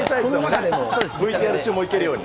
ＶＴＲ中もいけるように。